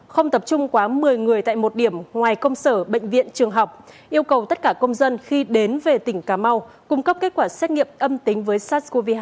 không tập trung quá một mươi người tại một điểm ngoài công sở bệnh viện trường học yêu cầu tất cả công dân khi đến về tỉnh cà mau cung cấp kết quả xét nghiệm âm tính với sars cov hai